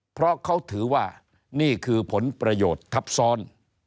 เพราะเขาถือว่านี่คือผลประโยชน์ทับซ้อน